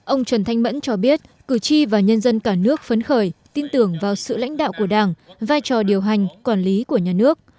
ông trần thanh mẫn cho biết cử tri và nhân dân cả nước phấn khởi tin tưởng vào sự lãnh đạo của đảng vai trò điều hành quản lý của nhà nước